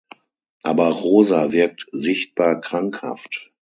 Aber Rosa wirkt sichtbar krankhaft.